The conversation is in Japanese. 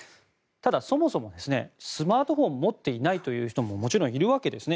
ただ、そもそもスマートフォン持っていないという人ももちろんいるわけですね。